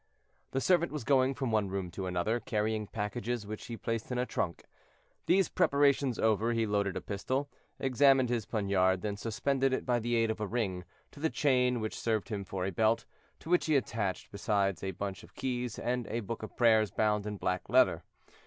The servant was going from one room to another, carrying packages which he placed in a trunk. These preparations over, he loaded a pistol, examined his poniard, then suspended it, by the aid of a ring, to the chain which served him for a belt, to which he attached besides a bunch of keys and a book of prayers bound in black leather.